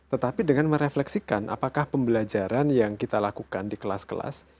tetapi dengan merefleksikan apakah pembelajaran yang kita lakukan di kelas kelas